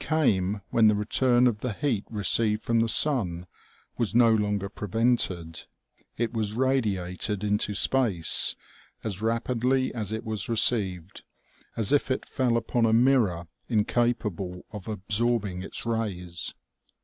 239 came when the return of the heat received from the sun was no longer prevented, it was radiated into space as rapidly as it was received, as if it fell upon a mirror inca pable of absorbing its rays.